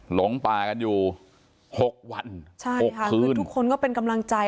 หลงป่ากันอยู่หกวันใช่หกค่ะคือทุกคนก็เป็นกำลังใจ